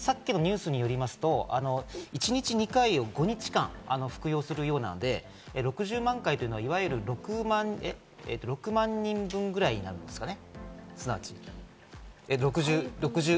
さっきのニュースによりますと、一日２回を５日間服用するみたいなので、６０万回というのは、いわゆる６万人分ぐらいなんですかね？